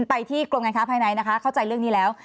ไปที่กรมการค้าภายในนะคะเข้าใจเรื่องนี้แล้ว